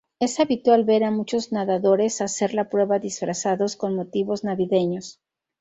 Es habitual ver a muchos nadadores hacer la prueba disfrazados con motivos navideños.